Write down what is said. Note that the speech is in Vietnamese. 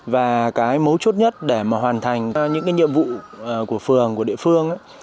và cái mấu chốt nhất để mà hoàn thành những cái nhiệm vụ của phường của địa phương